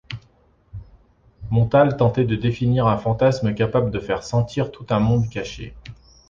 Montale tentait de définir un fantasme capable de faire sentir tout un monde caché.